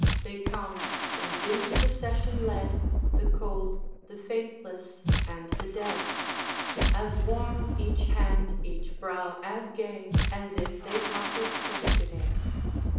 They come, in dim procession led, The cold, the faithless, and the dead; As warm each hand, each brow as gay, As if they parted yesterday.